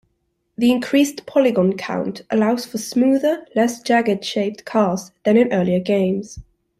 The increased polygon count allows for smoother, less jagged-shaped cars than in earlier games.